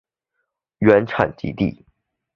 原产极地。